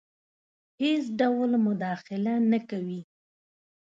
هیڅ ډول مداخله نه کوي.